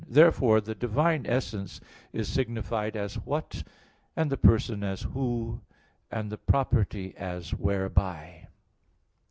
Therefore the divine essence is signified as "What"; and the person as "Who"; and the property as "Whereby."